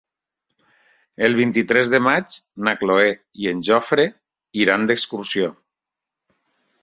El vint-i-tres de maig na Cloè i en Jofre iran d'excursió.